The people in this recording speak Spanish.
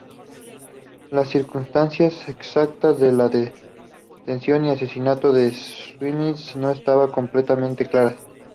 Las circunstancias exactas de la detención y asesinato de Schmidt no están completamente claras.